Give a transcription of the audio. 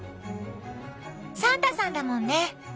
サンタさんだもんね。